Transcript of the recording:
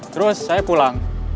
terus saya pulang